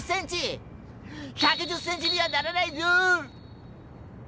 １１０ｃｍにはならないぞ！